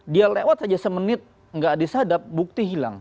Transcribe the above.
dia lewat saja semenit nggak disadap bukti hilang